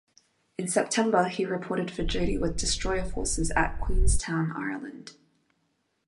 In September, he reported for duty with Destroyer Forces at Queenstown, Ireland.